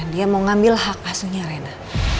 dia mau ngambil hak aslinya reina